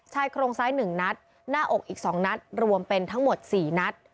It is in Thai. ชายโครงซ้าย๑นัดหน้าอกอีก๒นัดรวมเป็นทั้งหมด๔นัด